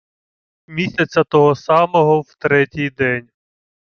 Місяця того самого в третій день